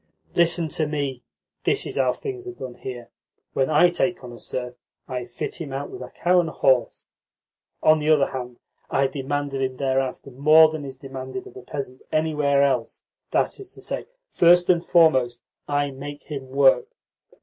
"Listen to me. This is how things are done here. When I take on a serf, I fit him out with a cow and a horse. On the other hand, I demand of him thereafter more than is demanded of a peasant anywhere else. That is to say, first and foremost I make him work.